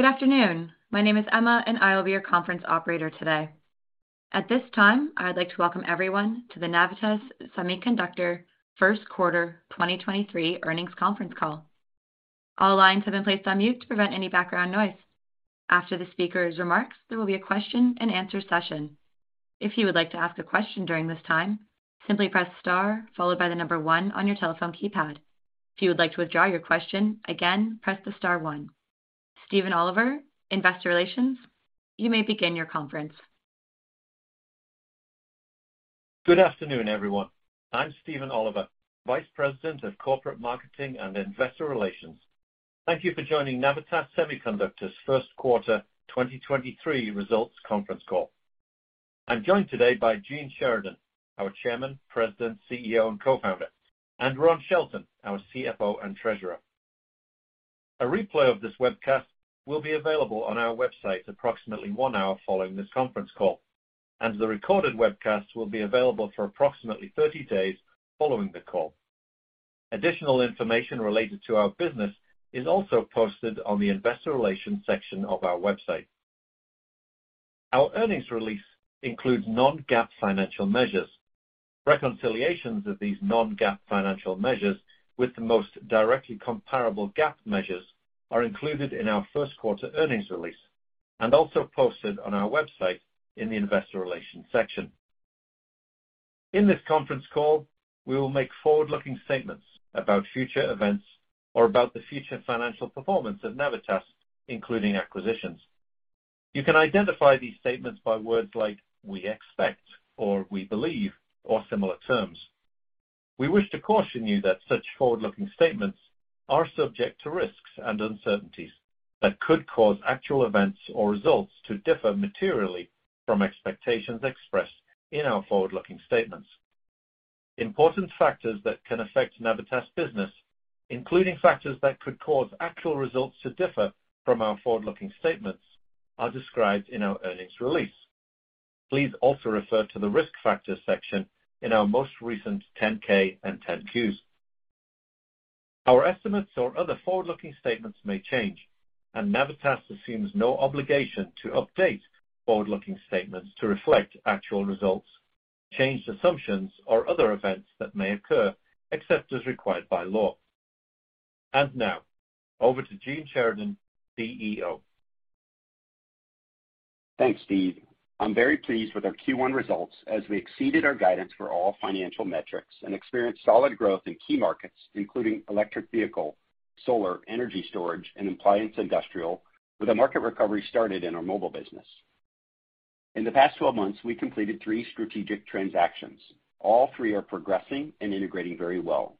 Good afternoon. My name is Emma, and I will be your conference operator today. At this time, I would like to welcome everyone to the Navitas Semiconductor first quarter 2023 earnings conference call. All lines have been placed on mute to prevent any background noise. After the speaker's remarks, there will be a question and answer session. If you would like to ask a question during this time, simply press star followed by the number one on your telephone keypad. If you would like to withdraw your question, again, press the star one. Stephen Oliver, Investor Relations, you may begin your conference. Good afternoon, everyone. I'm Stephen Oliver, Vice President of Corporate Marketing and Investor Relations. Thank you for joining Navitas Semiconductor's first quarter 2023 results conference call. I'm joined today by Gene Sheridan, our Chairman, President, CEO, and Co-founder, and Ron Shelton, our CFO and Treasurer. A replay of this webcast will be available on our website approximately 1 hour following this conference call. The recorded webcast will be available for approximately 30 days following the call. Additional information related to our business is also posted on the investor relations section of our website. Our earnings release includes Non-GAAP financial measures. Reconciliations of these Non-GAAP financial measures with the most directly comparable GAAP measures are included in our first quarter earnings release. Also posted on our website in the investor relations section. In this conference call, we will make forward-looking statements about future events or about the future financial performance of Navitas, including acquisitions. You can identify these statements by words like "we expect," or "we believe," or similar terms. We wish to caution you that such forward-looking statements are subject to risks and uncertainties that could cause actual events or results to differ materially from expectations expressed in our forward-looking statements. Important factors that can affect Navitas business, including factors that could cause actual results to differ from our forward-looking statements, are described in our earnings release. Please also refer to the risk factors section in our most recent Form 10-K and Form 10-Q. Our estimates or other forward-looking statements may change, and Navitas assumes no obligation to update forward-looking statements to reflect actual results, changed assumptions, or other events that may occur, except as required by law. Now, over to Gene Sheridan, CEO. Thanks, Steve. I'm very pleased with our Q1 results as we exceeded our guidance for all financial metrics and experienced solid growth in key markets, including electric vehicle, solar, energy storage, and appliance industrial, with a market recovery started in our mobile business. In the past 12 months, we completed three strategic transactions. All three are progressing and integrating very well.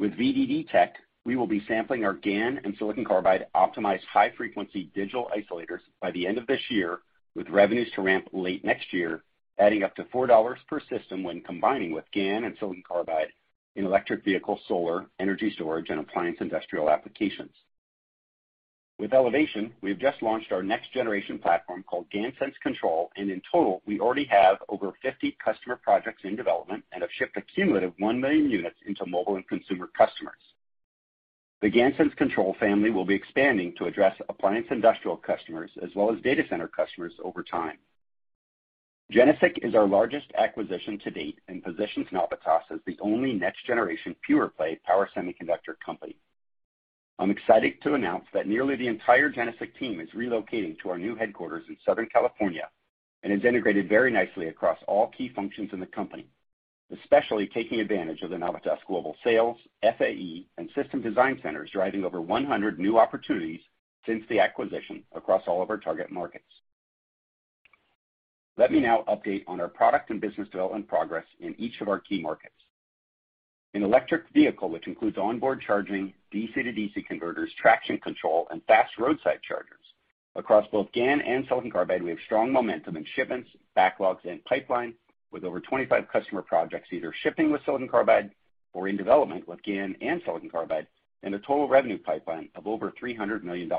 With VDD Tech, we will be sampling our GaN and silicon carbide optimized high frequency digital isolators by the end of this year, with revenues to ramp late next year, adding up to $4 per system when combining with GaN and silicon carbide in electric vehicle, solar, energy storage, and appliance industrial applications. With Elevation, we have just launched our next-generation platform called GaNSense Control. In total, we already have over 50 customer projects in development and have shipped a cumulative 1 million units into mobile and consumer customers. The GaNSense Control family will be expanding to address appliance industrial customers as well as data center customers over time. GeneSiC is our largest acquisition to date and positions Navitas as the only next-generation pure play power semiconductor company. I'm excited to announce that nearly the entire GeneSiC team is relocating to our new headquarters in Southern California and is integrated very nicely across all key functions in the company, especially taking advantage of the Navitas global sales, FAE, and system design centers, driving over 100 new opportunities since the acquisition across all of our target markets. Let me now update on our product and business development progress in each of our key markets. In electric vehicle, which includes onboard charging, DC-DC converters, traction control, and fast roadside chargers. Across both GaN and silicon carbide, we have strong momentum in shipments, backlogs, and pipeline, with over 25 customer projects either shipping with silicon carbide or in development with GaN and silicon carbide and a total revenue pipeline of over $300 million.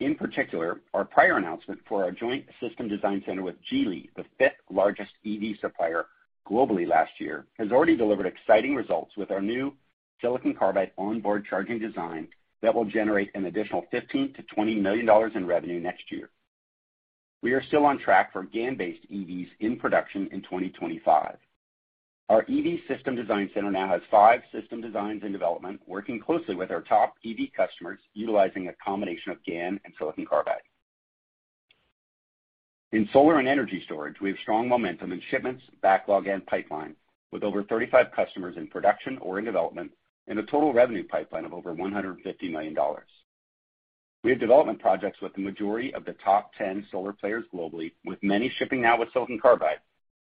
In particular, our prior announcement for our joint system design center with Geely, the fifth largest EV supplier globally last year, has already delivered exciting results with our new silicon carbide onboard charging design that will generate an additional $15 million-$20 million in revenue next year. We are still on track for GaN-based EVs in production in 2025. Our EV system design center now has five system designs in development, working closely with our top EV customers, utilizing a combination of GaN and silicon carbide. In solar and energy storage, we have strong momentum in shipments, backlog, and pipeline, with over 35 customers in production or in development and a total revenue pipeline of over $150 million. We have development projects with the majority of the top 10 solar players globally, with many shipping now with silicon carbide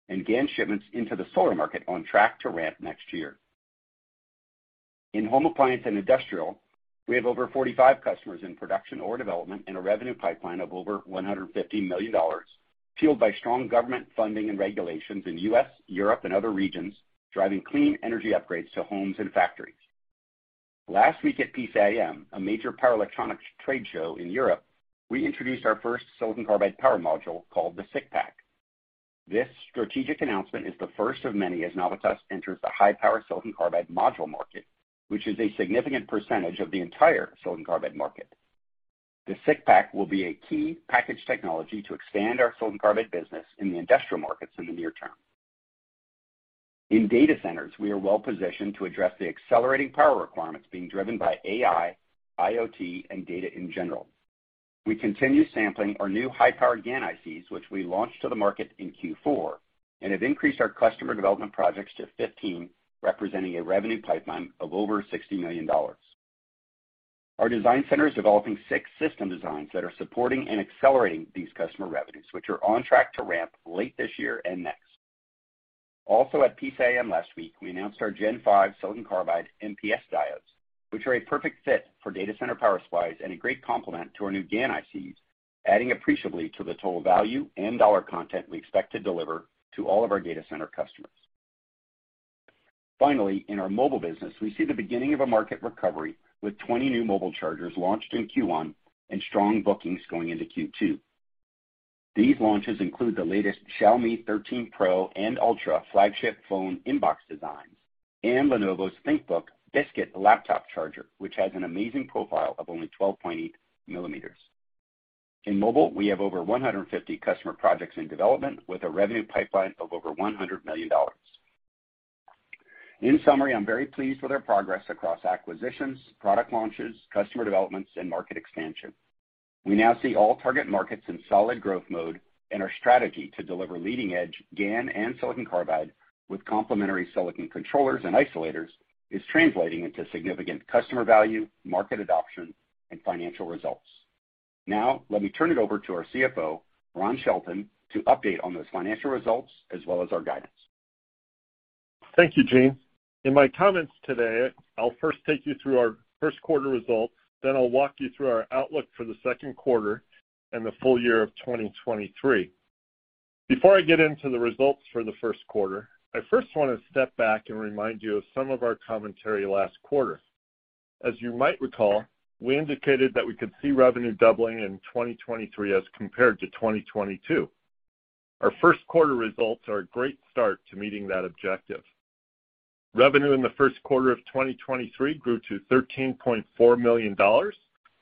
and GaN shipments into the solar market on track to ramp next year. In home appliance and industrial, we have over 45 customers in production or development and a revenue pipeline of over $150 million, fueled by strong government funding and regulations in U.S., Europe, and other regions driving clean energy upgrades to homes and factories. Last week at PCIM, a major power electronics trade show in Europe, we introduced our first silicon carbide power module called the SiCPak. This strategic announcement is the first of many as Navitas enters the high-power silicon carbide module market, which is a significant percentage of the entire silicon carbide market. The SiCPak will be a key package technology to expand our silicon carbide business in the industrial markets in the near term. In data centers, we are well-positioned to address the accelerating power requirements being driven by AI, IoT, and data in general. We continue sampling our new high-power GaN ICs, which we launched to the market in Q4, and have increased our customer development projects to 15, representing a revenue pipeline of over $60 million. Our design center is developing six system designs that are supporting and accelerating these customer revenues, which are on track to ramp late this year and next. Also, at PCIM last week, we announced our Gen-5 silicon carbide MPS diodes, which are a perfect fit for data center power supplies and a great complement to our new GaN ICs, adding appreciably to the total value and dollar content we expect to deliver to all of our data center customers. Finally, in our mobile business, we see the beginning of a market recovery with 20 new mobile chargers launched in Q1 and strong bookings going into Q2. These launches include the latest Xiaomi 13 Pro and Ultra flagship phone inbox designs, and Lenovo's ThinkBook Biscuit laptop charger, which has an amazing profile of only 12.8 millimeters. In mobile, we have over 150 customer projects in development with a revenue pipeline of over $100 million. In summary, I'm very pleased with our progress across acquisitions, product launches, customer developments, and market expansion. We now see all target markets in solid growth mode, and our strategy to deliver leading-edge GaN and silicon carbide with complementary silicon controllers and isolators is translating into significant customer value, market adoption, and financial results. Let me turn it over to our CFO, Ron Shelton, to update on those financial results as well as our guidance. Thank you, Gene. In my comments today, I'll first take you through our first quarter results, I'll walk you through our outlook for the second quarter and the full year of 2023. Before I get into the results for the first quarter, I first wanna step back and remind you of some of our commentary last quarter. As you might recall, we indicated that we could see revenue doubling in 2023 as compared to 2022. Our first quarter results are a great start to meeting that objective. Revenue in the first quarter of 2023 grew to $13.4 million,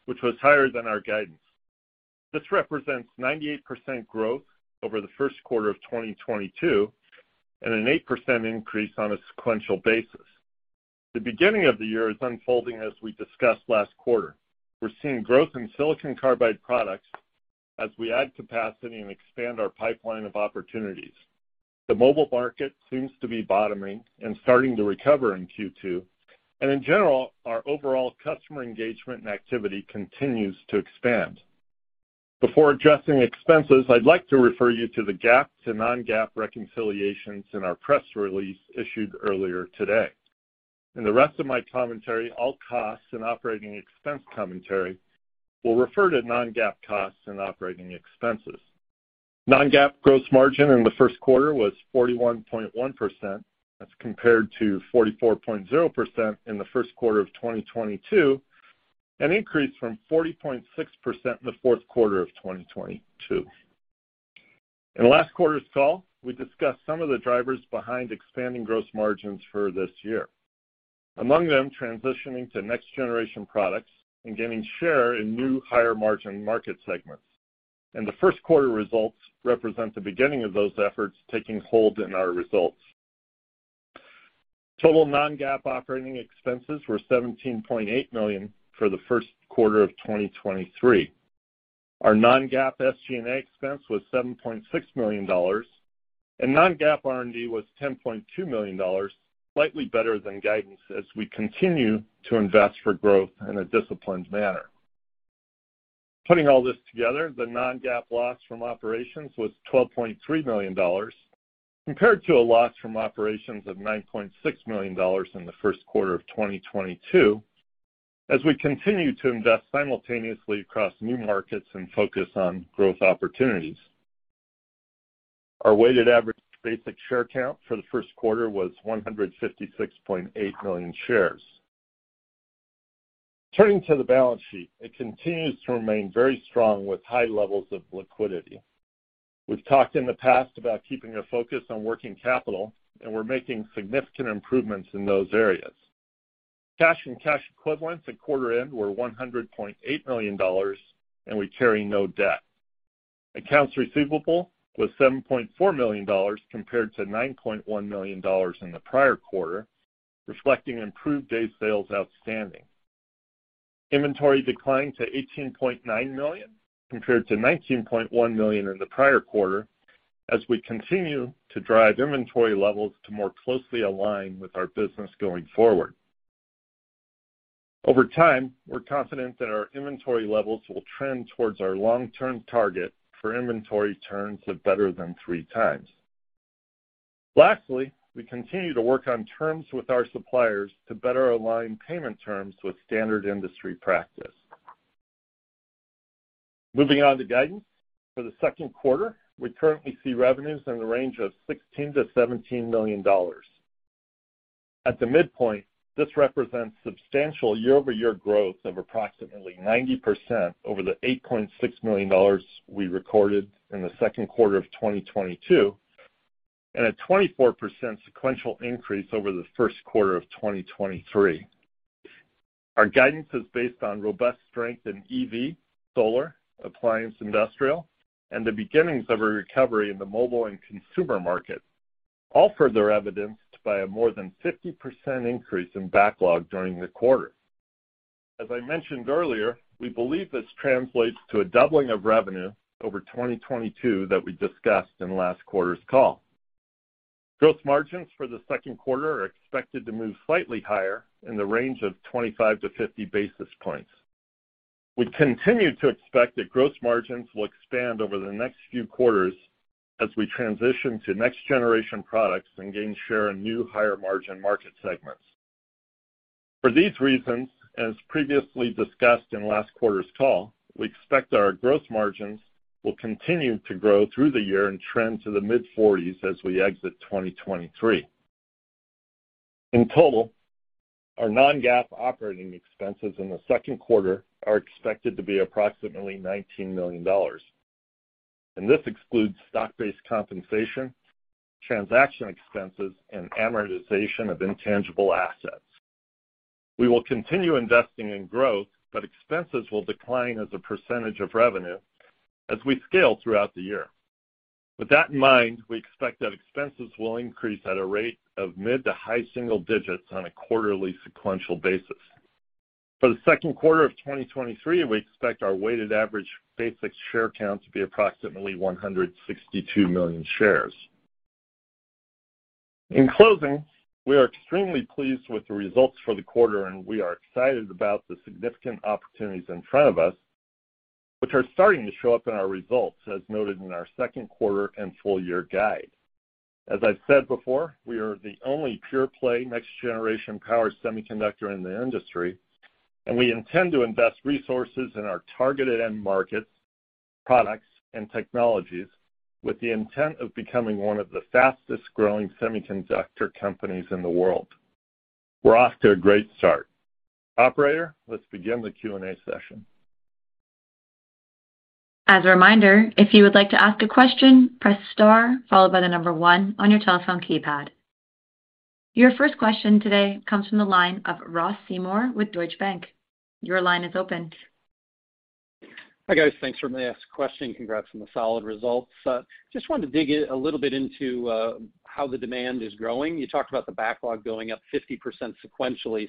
which was higher than our guidance. This represents 98% growth over the first quarter of 2022 and an 8% increase on a sequential basis. The beginning of the year is unfolding as we discussed last quarter. We're seeing growth in silicon carbide products as we add capacity and expand our pipeline of opportunities. The mobile market seems to be bottoming and starting to recover in Q2. In general, our overall customer engagement and activity continues to expand. Before addressing expenses, I'd like to refer you to the GAAP to Non-GAAP reconciliations in our press release issued earlier today. In the rest of my commentary, all costs and operating expense commentary will refer to Non-GAAP costs and operating expenses. Non-GAAP gross margin in the first quarter was 41.1%. That's compared to 44.0% in the first quarter of 2022, an increase from 40.6% in the fourth quarter of 2022. In last quarter's call, we discussed some of the drivers behind expanding gross margins for this year. Among them, transitioning to next-generation products and gaining share in new higher-margin market segments. The first quarter results represent the beginning of those efforts taking hold in our results. Total Non-GAAP operating expenses were $17.8 million for the first quarter of 2023. Our non-GAAP SG&A expense was $7.6 million, and Non-GAAP R&D was $10.2 million, slightly better than guidance as we continue to invest for growth in a disciplined manner. Putting all this together, the Non-GAAP loss from operations was $12.3 million, compared to a loss from operations of $9.6 million in the first quarter of 2022, as we continue to invest simultaneously across new markets and focus on growth opportunities. Our weighted average basic share count for the first quarter was 156.8 million shares. Turning to the balance sheet, it continues to remain very strong with high levels of liquidity. We've talked in the past about keeping a focus on working capital, and we're making significant improvements in those areas. Cash and cash equivalents at quarter end were $100.8 million, and we carry no debt. Accounts receivable was $7.4 million compared to $9.1 million in the prior quarter, reflecting improved days sales outstanding. Inventory declined to $18.9 million compared to $19.1 million in the prior quarter as we continue to drive inventory levels to more closely align with our business going forward. Over time, we're confident that our inventory levels will trend towards our long-term target for inventory turns of better than three times. Lastly, we continue to work on terms with our suppliers to better align payment terms with standard industry practice. Moving on to guidance. For the second quarter, we currently see revenues in the range of $16 million-$17 million. At the midpoint, this represents substantial year-over-year growth of approximately 90% over the $8.6 million we recorded in the second quarter of 2022, and a 24% sequential increase over the first quarter of 2023. Our guidance is based on robust strength in EV, solar, appliance, industrial, and the beginnings of a recovery in the mobile and consumer market, all further evidenced by a more than 50% increase in backlog during the quarter. As I mentioned earlier, we believe this translates to a doubling of revenue over 2022 that we discussed in last quarter's call. Gross margins for the second quarter are expected to move slightly higher in the range of 25-50 basis points. We continue to expect that gross margins will expand over the next few quarters as we transition to next-generation products and gain share in new higher-margin market segments. For these reasons, as previously discussed in last quarter's call, we expect our gross margins will continue to grow through the year and trend to the mid-40s as we exit 2023. In total, our Non-GAAP operating expenses in the second quarter are expected to be approximately $19 million. This excludes stock-based compensation, transaction expenses, and amortization of intangible assets. We will continue investing in growth. Expenses will decline as a percentage of revenue as we scale throughout the year. With that in mind, we expect that expenses will increase at a rate of mid to high single digits on a quarterly sequential basis. For the second quarter of 2023, we expect our weighted average basic share count to be approximately 162 million shares. In closing, we are extremely pleased with the results for the quarter. We are excited about the significant opportunities in front of us, which are starting to show up in our results, as noted in our second quarter and full year guide. As I've said before, we are the only pure-play next-generation power semiconductor in the industry. We intend to invest resources in our targeted end markets, products, and technologies with the intent of becoming one of the fastest-growing semiconductor companies in the world. We're off to a great start. Operator, let's begin the Q&A session. As a reminder, if you would like to ask a question, press star followed by one on your telephone keypad. Your first question today comes from the line of Ross Seymore with Deutsche Bank. Your line is open. Hi, guys. Thanks for letting me ask a question. Congrats on the solid results. Just wanted to dig a little bit into, how the demand is growing. You talked about the backlog going up 50% sequentially.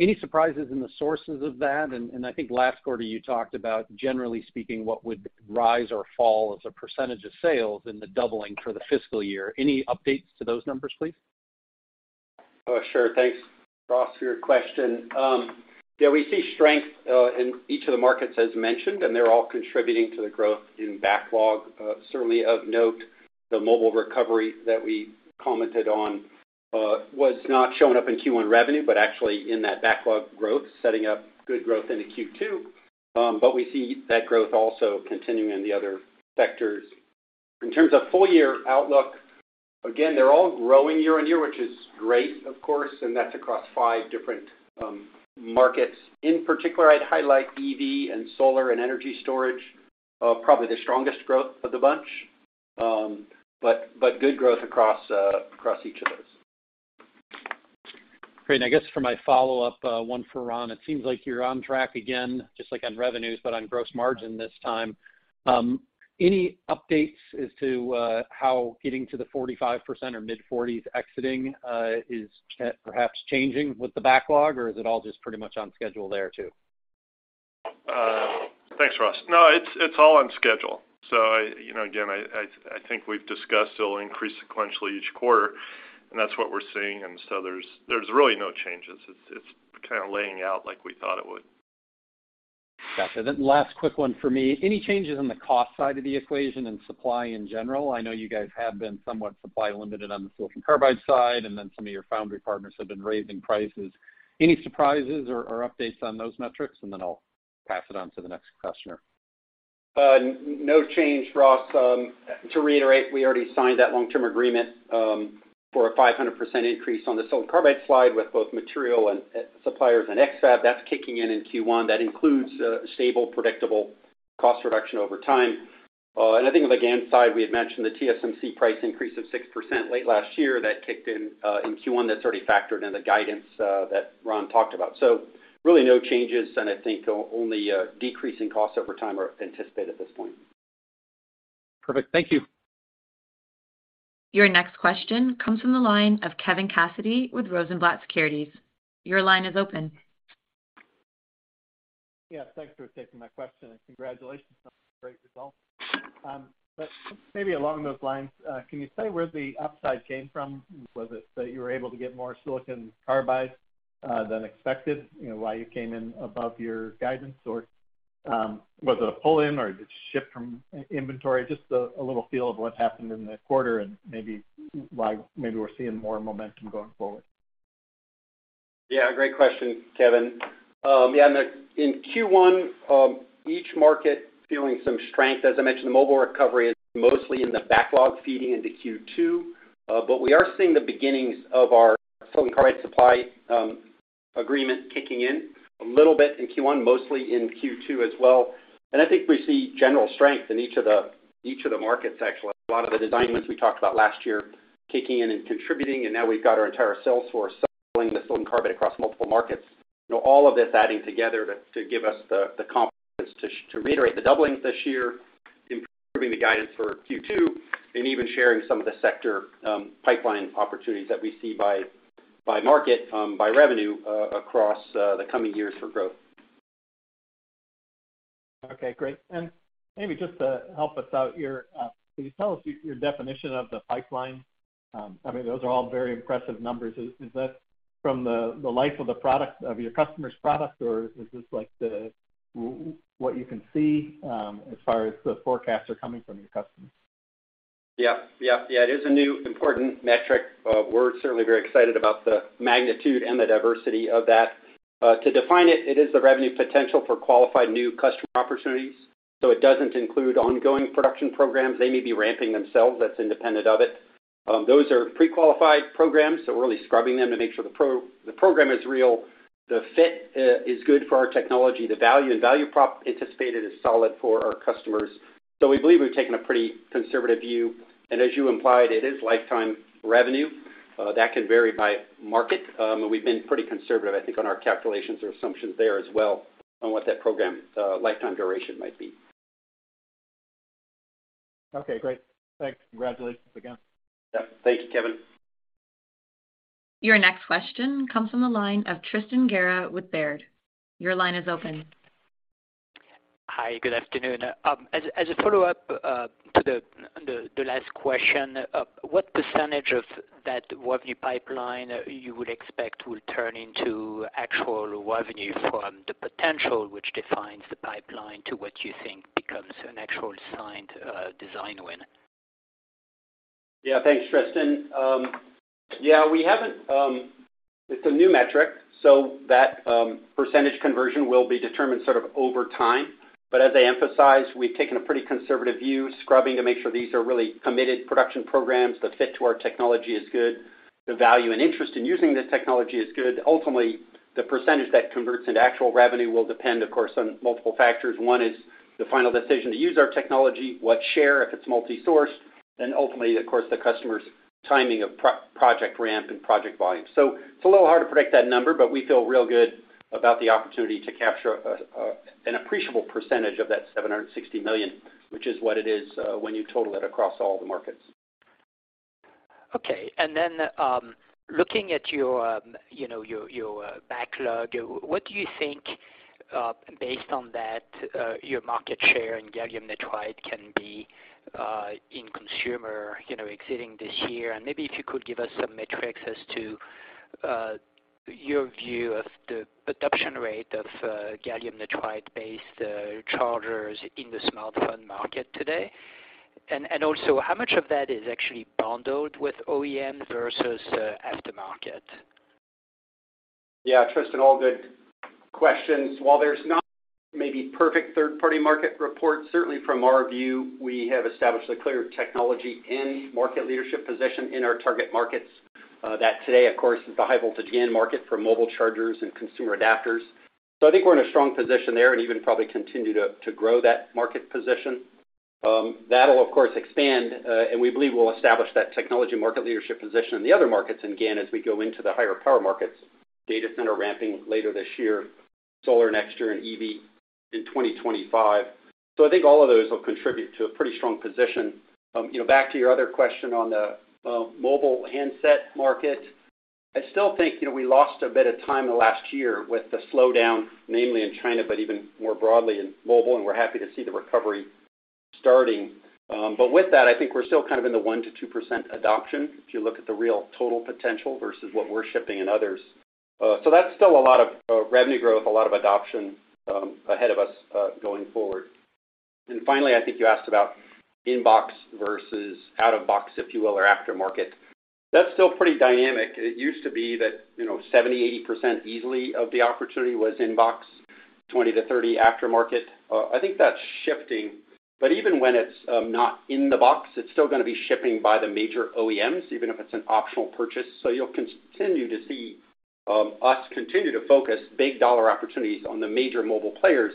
Any surprises in the sources of that? I think last quarter you talked about, generally speaking, what would rise or fall as a percentage of sales in the doubling for the fiscal year. Any updates to those numbers, please? Sure. Thanks, Ross, for your question. Yeah, we see strength in each of the markets as mentioned, they're all contributing to the growth in backlog. Certainly of note, the mobile recovery that we commented on was not showing up in Q1 revenue, actually in that backlog growth, setting up good growth into Q2. We see that growth also continuing in the other sectors. In terms of full year outlook, again, they're all growing year-on-year, which is great, of course, that's across five different markets. In particular, I'd highlight EV and solar and energy storage, probably the strongest growth of the bunch. Good growth across each of those. Great. I guess for my follow-up, one for Ron, it seems like you're on track again, just like on revenues, but on gross margin this time. Any updates as to how getting to the 45% or mid-40s exiting, is perhaps changing with the backlog, or is it all just pretty much on schedule there too? Thanks, Ross. No, it's all on schedule. I, you know, again, I think we've discussed it'll increase sequentially each quarter, and that's what we're seeing. There's really no changes. It's kind of laying out like we thought it would. Got it. Last quick one for me. Any changes on the cost side of the equation and supply in general? I know you guys have been somewhat supply limited on the silicon carbide side, some of your foundry partners have been raising prices. Any surprises or updates on those metrics? I'll pass it on to the next questioner. No change, Ross. To reiterate, we already signed that long-term agreement for a 500% increase on the silicon carbide slide with both material and suppliers and X-FAB. That's kicking in in Q1. That includes stable, predictable cost reduction over time. I think on the GaN side, we had mentioned the TSMC price increase of 6% late last year. That kicked in in Q1. That's already factored in the guidance that Ron talked about. Really no changes, and I think the only decrease in costs over time are anticipated at this point. Perfect. Thank you. Your next question comes from the line of Kevin Cassidy with Rosenblatt Securities. Your line is open. Yeah, thanks for taking my question, and congratulations on the great results. Maybe along those lines, can you say where the upside came from? Was it that you were able to get more silicon carbide than expected, you know, why you came in above your guidance, or was it a pull-in or did it ship from inventory? Just a little feel of what happened in the quarter and maybe why we're seeing more momentum going forward. Yeah, great question, Kevin. In Q1, each market feeling some strength. As I mentioned, the mobile recovery is mostly in the backlog feeding into Q2. We are seeing the beginnings of our silicon carbide supply agreement kicking in a little bit in Q1, mostly in Q2 as well. I think we see general strength in each of the markets, actually. A lot of the design wins we talked about last year kicking in and contributing. Now we've got our entire sales force selling the silicon carbide across multiple markets. You know, all of this adding together to give us the confidence to reiterate the doubling this year, improving the guidance for Q2, and even sharing some of the sector pipeline opportunities that we see by market, by revenue across the coming years for growth. Okay, great. Maybe just to help us out here, can you tell us your definition of the pipeline? I mean, those are all very impressive numbers. Is that from the life of the product of your customer's product, or is this like what you can see as far as the forecasts are coming from your customers? Yeah. Yeah. Yeah, it is a new important metric. We're certainly very excited about the magnitude and the diversity of that. To define it is the revenue potential for qualified new customer opportunities, so it doesn't include ongoing production programs. They may be ramping themselves, that's independent of it. Those are pre-qualified programs, so we're really scrubbing them to make sure the program is real, the fit, is good for our technology, the value and value prop anticipated is solid for our customers. We believe we've taken a pretty conservative view. As you implied, it is lifetime revenue. That can vary by market. And we've been pretty conservative, I think, on our calculations or assumptions there as well on what that program, lifetime duration might be. Okay, great. Thanks. Congratulations again. Yeah. Thank you, Kevin. Your next question comes from the line of Tristan Gerra with Baird. Your line is open. Hi. Good afternoon. As a follow-up, to the last question, what % of that revenue pipeline you would expect will turn into actual revenue from the potential which defines the pipeline to what you think becomes an actual signed, design win? Yeah. Thanks, Tristan. Yeah, we haven't. It's a new metric, so that percentage conversion will be determined sort of over time. As I emphasized, we've taken a pretty conservative view, scrubbing to make sure these are really committed production programs, the fit to our technology is good, the value and interest in using this technology is good. Ultimately, the percentage that converts into actual revenue will depend, of course, on multiple factors. One is the final decision to use our technology, what share if it's multi-sourced, and ultimately, of course, the customer's timing of project ramp and project volume. It's a little hard to predict that number, but we feel real good about the opportunity to capture an appreciable percentage of that $760 million, which is what it is, when you total it across all the markets. Okay. Then, looking at your, you know, your, backlog, what do you think, based on that, your market share in Gallium Nitride can be, in consumer, you know, exiting this year? Maybe if you could give us some metrics as to, your view of the adoption rate of, Gallium Nitride-based, chargers in the smartphone market today? And also how much of that is actually bundled with OEM versus, aftermarket? Yeah, Tristan, all good questions. While there's not maybe perfect third-party market reports, certainly from our view, we have established a clear technology in market leadership position in our target markets, that today, of course, is the high voltage GaN market for mobile chargers and consumer adapters. I think we're in a strong position there and even probably continue to grow that market position. That'll of course expand, and we believe we'll establish that technology market leadership position in the other markets in GaN as we go into the higher power markets, data center ramping later this year, solar next year and EV in 2025. I think all of those will contribute to a pretty strong position. You know, back to your other question on the mobile handset market. I still think, you know, we lost a bit of time in the last year with the slowdown, namely in China, but even more broadly in mobile, and we're happy to see the recovery starting. But with that, I think we're still kind of in the 1%-2% adoption, if you look at the real total potential versus what we're shipping and others. So that's still a lot of revenue growth, a lot of adoption ahead of us going forward. Finally, I think you asked about in-box versus out-of-box, if you will, or aftermarket. That's still pretty dynamic. It used to be that, you know, 70%-80% easily of the opportunity was in-box, 20-30 aftermarket. I think that's shifting. Even when it's not in the box, it's still gonna be shipping by the major OEMs, even if it's an optional purchase. You'll continue to see us continue to focus big dollar opportunities on the major mobile players,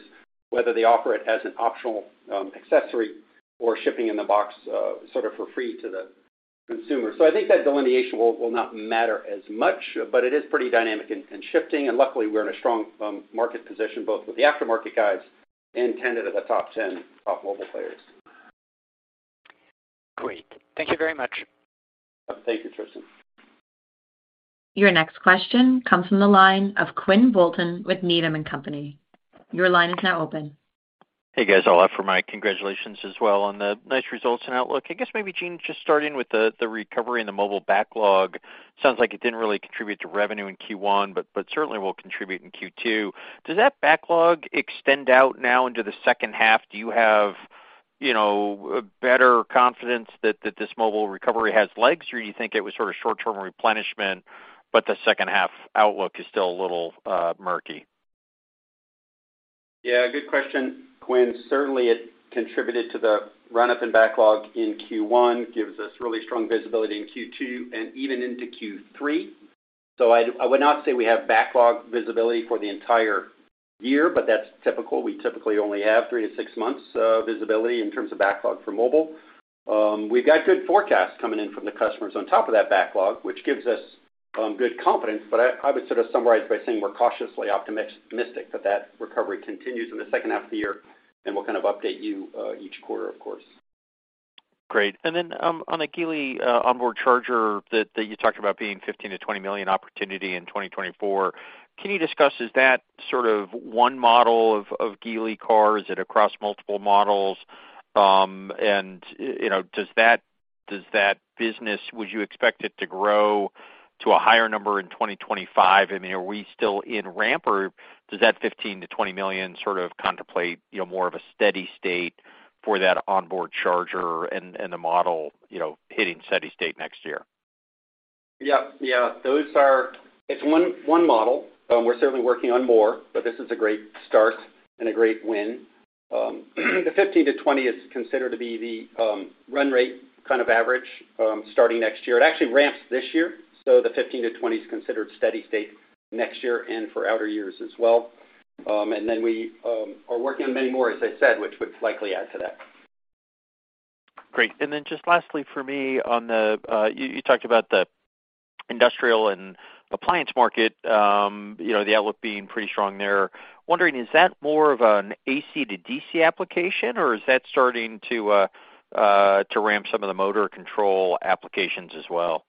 whether they offer it as an optional accessory or shipping in the box, sort of for free to the consumer. I think that delineation will not matter as much, but it is pretty dynamic and shifting. Luckily, we're in a strong market position, both with the aftermarket guys and 10 of the top 10 mobile players. Great. Thank you very much. Thank you, Tristan. Your next question comes from the line of Quinn Bolton with Needham & Company. Your line is now open. Hey, guys. Ola here. Mike, congratulations as well on the nice results and outlook. I guess maybe, Gene, just starting with the recovery in the mobile backlog. Sounds like it didn't really contribute to revenue in Q1, but certainly will contribute in Q2. Does that backlog extend out now into the second half? Do you have you know, a better confidence that this mobile recovery has legs, or you think it was sort of short-term replenishment, but the second half outlook is still a little murky? Good question, Quinn. Certainly, it contributed to the run-up in backlog in Q1, gives us really strong visibility in Q2 and even into Q3. I would not say we have backlog visibility for the entire year, but that's typical. We typically only have 3 to 6 months visibility in terms of backlog for mobile. We've got good forecasts coming in from the customers on top of that backlog, which gives us good confidence. I would sort of summarize by saying we're cautiously optimistic that that recovery continues in the second half of the year, and we'll kind of update you each quarter, of course. Great. Then on the Geely onboard charger that you talked about being $15 million-$20 million opportunity in 2024, can you discuss, is that sort of one model of Geely cars and across multiple models? you know, does that business, would you expect it to grow to a higher number in 2025? I mean, are we still in ramp or does that $15 million-$20 million sort of contemplate, you know, more of a steady state for that onboard charger and the model, you know, hitting steady state next year? Yeah. It's one model. We're certainly working on more, but this is a great start and a great win. The 15-20 is considered to be the run rate kind of average starting next year. It actually ramps this year, so the 15-20 is considered steady state next year and for outer years as well. We are working on many more, as I said, which would likely add to that. Great. Lastly for me on the, you talked about the industrial and appliance market, you know, the outlook being pretty strong there. Wondering, is that more of an AC-DC application, or is that starting to ramp some of the motor control applications as well?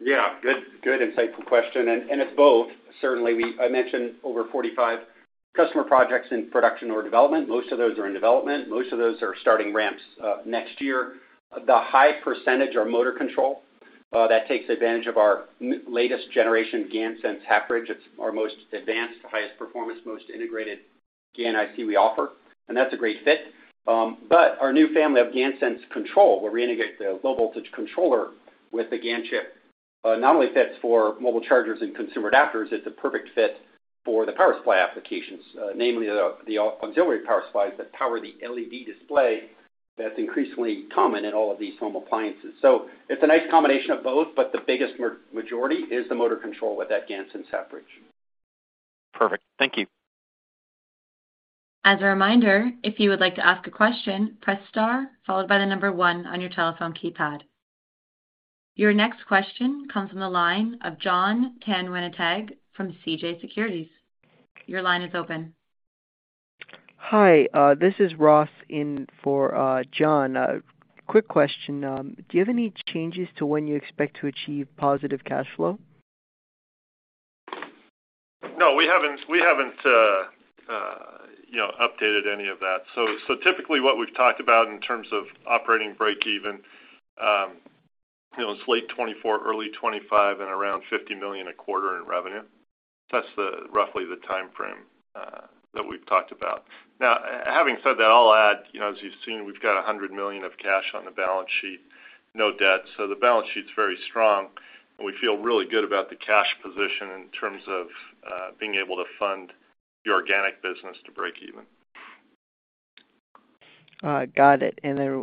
Yeah. Good, good insightful question. It's both. Certainly, I mentioned over 45 customer projects in production or development. Most of those are in development. Most of those are starting ramps next year. The high percentage are motor control that takes advantage of our latest generation GaNSense half-bridge. It's our most advanced, highest performance, most integrated GaN IC we offer, and that's a great fit. Our new family of GaNSense Control, where we integrate the low voltage controller with the GaN chip, not only fits for mobile chargers and consumer adapters, it's a perfect fit for the power supply applications, namely the auxiliary power supplies that power the LED display that's increasingly common in all of these home appliances. It's a nice combination of both, but the biggest majority is the motor control with that GaNSense half-bridge. Perfect. Thank you. As a reminder, if you would like to ask a question, press star followed by 1 on your telephone keypad. Your next question comes from the line of Jon Tanwanteng from CJS Securities. Your line is open. Hi, this is Ross in for Jon. Quick question, do you have any changes to when you expect to achieve positive cash flow? No, we haven't, you know, updated any of that. Typically what we've talked about in terms of operating break even, you know, is late 2024, early 2025 and around $50 million a quarter in revenue. That's the roughly the timeframe that we've talked about. Now, having said that, I'll add, you know, as you've seen, we've got $100 million of cash on the balance sheet, no debt. The balance sheet's very strong, and we feel really good about the cash position in terms of being able to fund the organic business to break even. Got it.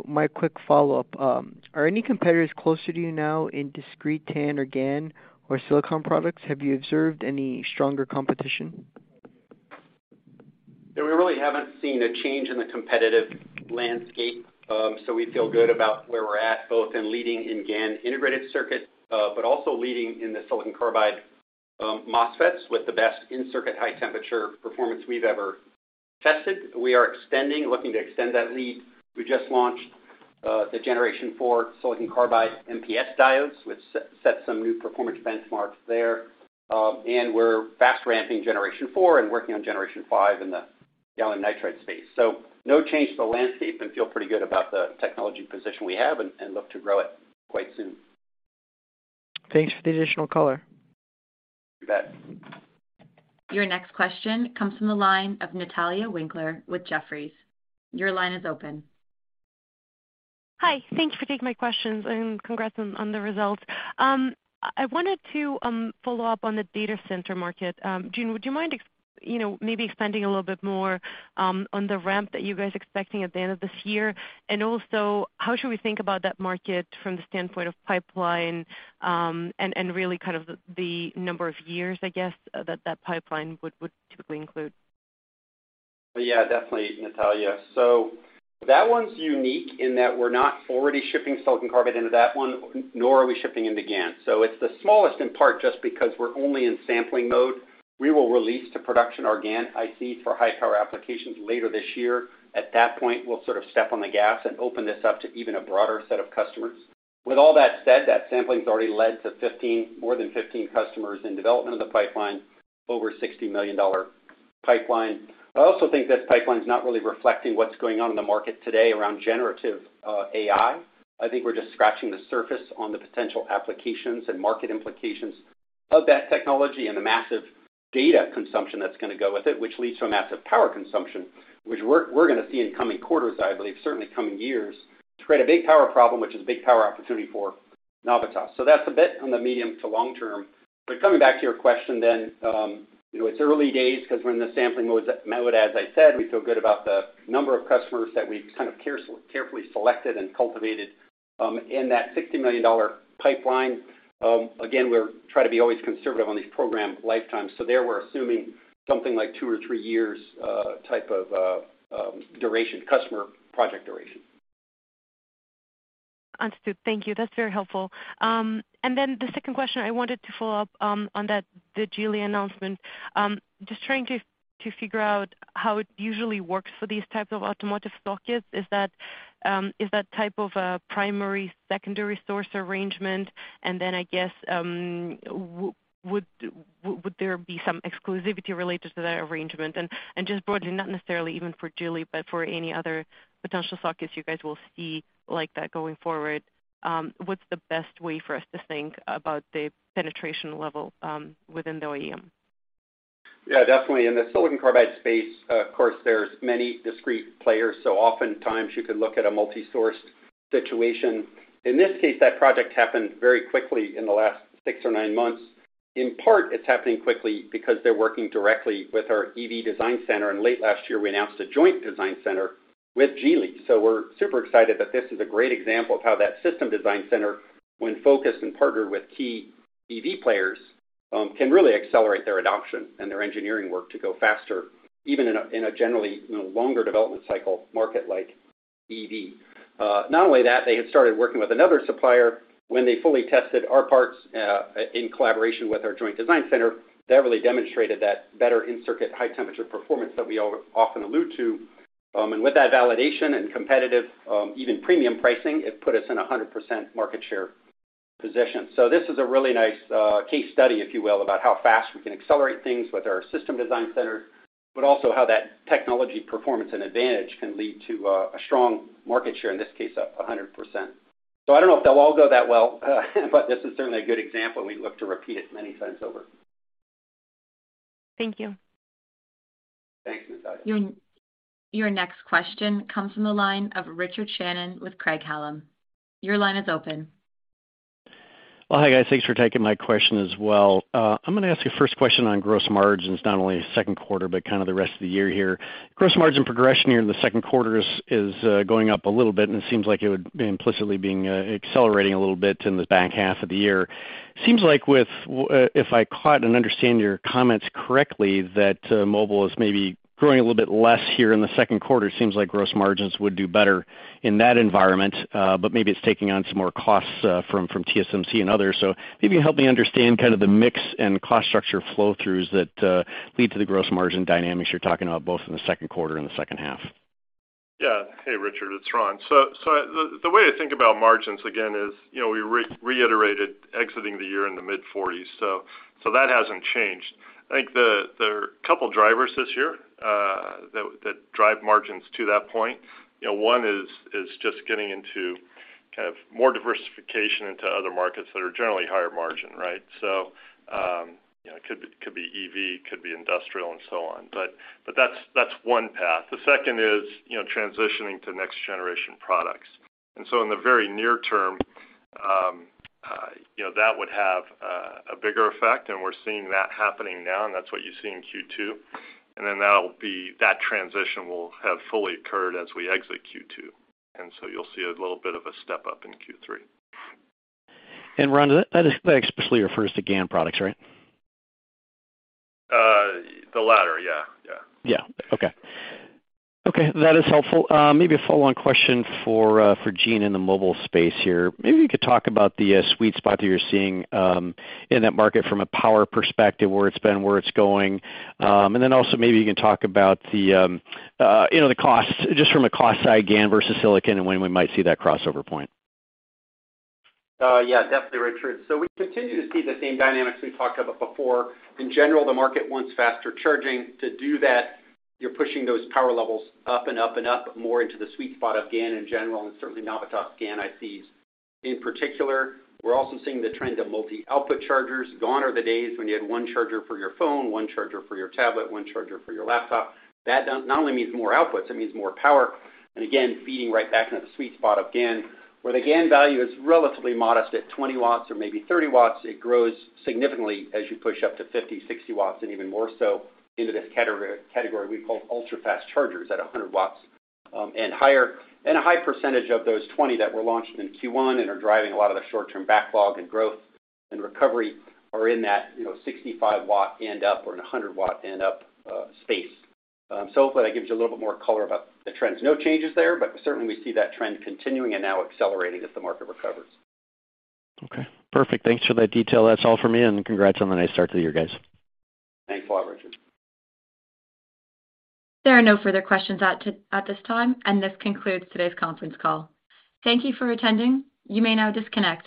My quick follow-up. Are any competitors closer to you now in discrete GaN or GaN or silicon products? Have you observed any stronger competition? We really haven't seen a change in the competitive landscape. We feel good about where we're at, both in leading in GaN integrated circuit, but also leading in the silicon carbide MOSFETs with the best in-circuit high temperature performance we've ever tested. We are extending, looking to extend that lead. We just launched the Generation 4 silicon carbide MPS diodes, which set some new performance benchmarks there. And we're fast ramping Generation 4 and working on Generation 5 in the gallium nitride space. No change to the landscape and feel pretty good about the technology position we have and look to grow it quite soon. Thanks for the additional color. You bet. Your next question comes from the line of Natalia Winkler with Jefferies. Your line is open. Hi. Thank you for taking my questions, and congrats on the results. I wanted to follow up on the data center market. Gene, would you mind you know, maybe expanding a little bit more on the ramp that you guys are expecting at the end of this year? Also, how should we think about that market from the standpoint of pipeline, and really kind of the number of years, I guess, that that pipeline would typically include? Yeah, definitely, Natalia. That one's unique in that we're not already shipping silicon carbide into that one, nor are we shipping into GaN. It's the smallest in part just because we're only in sampling mode. We will release to production our GaN IC for high power applications later this year. At that point, we'll sort of step on the gas and open this up to even a broader set of customers. With all that said, that sampling's already led to more than 15 customers in development of the pipeline, over $60 million pipeline. I also think that pipeline's not really reflecting what's going on in the market today around generative AI. I think we're just scratching the surface on the potential applications and market implications of that technology and the massive data consumption that's going to go with it, which leads to a massive power consumption, which we're going to see in coming quarters, I believe, certainly coming years. It's created a big power problem, which is a big power opportunity for Navitas. That's a bit on the medium to long term. Coming back to your question, you know, it's early days 'cause we're in the sampling mode as I said. We feel good about the number of customers that we kind of carefully selected and cultivated in that $60 million pipeline. Again, we're trying to be always conservative on these program lifetimes. There, we're assuming something like two or three years type of duration, customer project duration. Understood. Thank you. That's very helpful. The second question, I wanted to follow up on that, the Geely announcement. Just trying to figure out how it usually works for these type of automotive sockets, is that type of a primary/secondary source arrangement? I guess, would there be some exclusivity related to that arrangement? Just broadly, not necessarily even for Geely, but for any other potential sockets you guys will see like that going forward, what's the best way for us to think about the penetration level within the OEM? Yeah, definitely. In the silicon carbide space, of course, there's many discrete players. Oftentimes you could look at a multi-sourced situation. In this case, that project happened very quickly in the last 6 or 9 months. In part, it's happening quickly because they're working directly with our EV design center, and late last year, we announced a joint design center with Geely. We're super excited that this is a great example of how that system design center, when focused and partnered with key EV players, can really accelerate their adoption and their engineering work to go faster, even in a generally, you know, longer development cycle market like EV. Not only that, they had started working with another supplier when they fully tested our parts, in collaboration with our joint design center, that really demonstrated that better in-circuit high temperature performance that we often allude to. With that validation and competitive, even premium pricing, it put us in a 100% market share position. This is a really nice case study, if you will, about how fast we can accelerate things with our system design center, but also how that technology performance and advantage can lead to a strong market share, in this case, up 100%. I don't know if they'll all go that well, but this is certainly a good example, and we look to repeat it many times over. Thank you. Thanks, Natalia. Your next question comes from the line of Richard Shannon with Craig-Hallum. Your line is open. Well, hi guys. Thanks for taking my question as well. I'm gonna ask you a first question on gross margins, not only second quarter, but kind of the rest of the year here. Gross margin progression here in the second quarter is going up a little bit, and it seems like it would implicitly being accelerating a little bit in the back half of the year. Seems like with if I caught and understand your comments correctly, that mobile is maybe growing a little bit less here in the second quarter. Seems like gross margins would do better in that environment, but maybe it's taking on some more costs from TSMC and others. Maybe you can help me understand kind of the mix and cost structure flow throughs that lead to the gross margin dynamics you're talking about, both in the second quarter and the second half. Yeah. Hey, Richard, it's Ron. The way to think about margins again is, you know, we reiterated exiting the year in the mid-40s%, so that hasn't changed. I think there are a couple of drivers this year that drive margins to that point. You know, one is just getting into kind of more diversification into other markets that are generally higher margin, right? You know, it could be EV, could be industrial and so on. That's one path. The second is, you know, transitioning to next generation products. In the very near term, you know, that would have a bigger effect, and we're seeing that happening now, and that's what you see in Q2. That transition will have fully occurred as we exit Q2, and so you'll see a little bit of a step up in Q3. Ron, that especially refers to GaN products, right? The latter, yeah. Yeah. Okay. Okay, that is helpful. Maybe a follow-on question for Gene in the mobile space here. Maybe you could talk about the sweet spot that you're seeing in that market from a power perspective, where it's been, where it's going. Also maybe you can talk about the, you know, the costs, just from a cost side, GaN versus silicon and when we might see that crossover point. Yeah, definitely, Richard. We continue to see the same dynamics we've talked about before. In general, the market wants faster charging. To do that, you're pushing those power levels up and up and up more into the sweet spot of GaN in general and certainly Navitas GaN IPs. In particular, we're also seeing the trend of multi-output chargers. Gone are the days when you had one charger for your phone, one charger for your tablet, one charger for your laptop. That not only means more outputs, it means more power, and again, feeding right back into the sweet spot of GaN. Where the GaN value is relatively modest at 20 watts or maybe 30 watts, it grows significantly as you push up to 50, 60 watts, and even more so into this category we call ultra-fast chargers at 100 watts and higher. A high percentage of those 20 that were launched in Q1 and are driving a lot of the short-term backlog and growth and recovery are in that, you know, 65 watt and up or in a 100 watt and up, space. Hopefully that gives you a little bit more color about the trends. No changes there, but certainly we see that trend continuing and now accelerating as the market recovers. Okay. Perfect. Thanks for that detail. That's all for me, and congrats on the nice start to the year, guys. Thanks a lot, Richard. There are no further questions at this time. This concludes today's conference call. Thank you for attending. You may now disconnect.